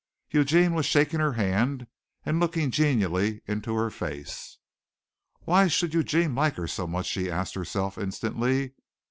Eugene was shaking her hand and looking genially into her face. "Why should Eugene like her so much?" she asked herself instantly.